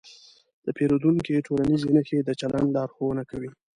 د پیریدونکي ټولنیزې نښې د چلند لارښوونه کوي.